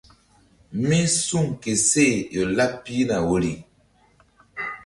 Mí suŋ ke seh ƴo laɓ pihna woyri.